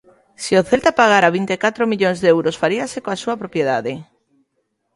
Se o Celta pagara vinte e catro millóns de euros faríase coa súa propiedade.